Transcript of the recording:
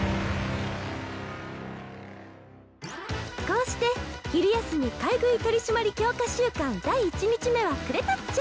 ［こうして昼休み買い食い取り締まり強化週間第１日目は暮れたっちゃ］